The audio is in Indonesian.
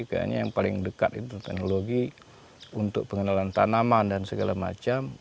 kayaknya yang paling dekat itu teknologi untuk pengenalan tanaman dan segala macam